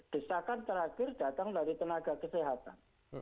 desakan terakhir datang dari tenaga kesehatan